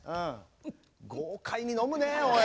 豪快に飲むねおい。